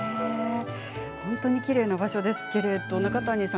本当にきれいな場所ですけど、中谷さん